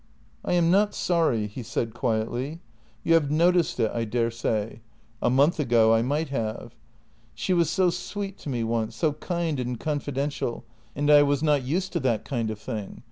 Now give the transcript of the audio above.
" I am not sorry," he said quietly. " You have noticed it, I JENNY 84 daresay. A month ago I might have. ... She was so sweet to me once, so kind and confidential, and I was not used to that kind of thing.